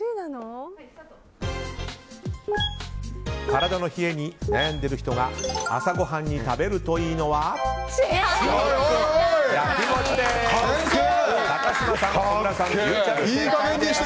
体の冷えに悩んでいる人が朝ごはんに食べるといいのはＣの焼き餅です！